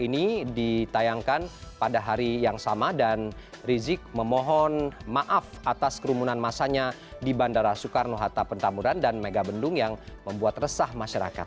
ini ditayangkan pada hari yang sama dan rizik memohon maaf atas kerumunan masanya di bandara soekarno hatta petamburan dan megabendung yang membuat resah masyarakat